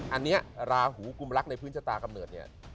อันนี้ราหูกุมรักในพื้นชะตากำเนิดเนี่ย